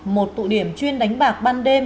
một tụ điểm chuyên đánh bạc ban đêm